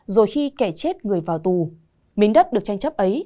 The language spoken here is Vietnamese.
rồi khi kẻ chết người vào tù miến đất được tranh chấp ấy